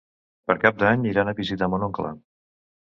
Per Cap d'Any iran a visitar mon oncle.